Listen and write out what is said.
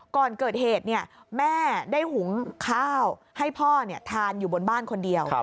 ก่อนเกิดเหตุแม่ได้หุงข้าวให้พ่อทานอยู่บนบ้านคนเดียว